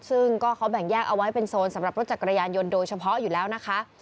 ซึ่งก็เขาแบ่งแยกเอาไว้เป็นโซนสำหรับรถจักรยานยนต์โดยเฉพาะอยู่แล้วนะคะ